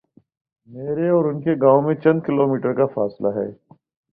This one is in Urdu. میرے اور ان کے گاؤں میں چند کلو میٹرکا فاصلہ ہے۔